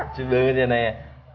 cukup banget ya naya